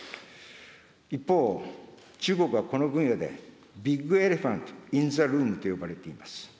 一方、中国はこの分野でビッグ・エレファント・イン・ザ・ルームと呼ばれています。